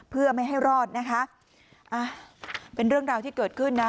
เพื่อไม่ให้รอดนะคะอ่ะเป็นเรื่องราวที่เกิดขึ้นนะ